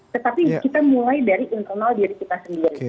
tetapi kita mulai dari internal diri kita sendiri